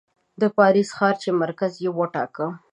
د پاریس ښار یې مرکز وټاکه.